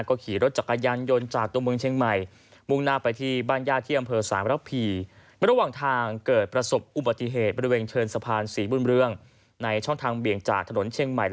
ก็ขี่รถจักรยานยนต์จากตรงเมืองเชียงใหม่